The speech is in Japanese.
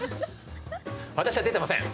私は出てません！